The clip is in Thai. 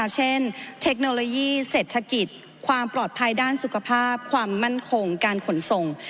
เทคโนโลยีเศรษฐกิจความปลอดภัยด้านสุขภาพความมั่นคงการขนส่ง